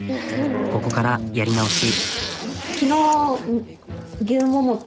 ここからやり直し。